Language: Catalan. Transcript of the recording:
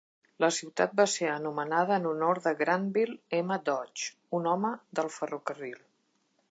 La ciutat va ser anomenada en honor de Granville M. Dodge, un home del ferrocarril.